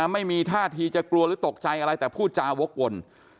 ไม่มีท่าทีจะกลัวหรือตกใจอะไรแต่พูดจาวกวน